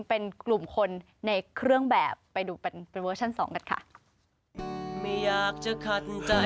เป็นกลุ่มคนในเครื่องแบบไปดูเป็นเวอร์ชั่น๒กันค่ะ